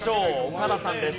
岡田さんです。